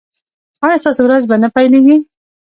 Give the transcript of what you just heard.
ایا ستاسو ورځ به نه پیلیږي؟